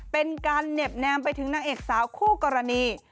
เป็นการเหน็บแนมไปถึงนางเอกสาวคู่กรณี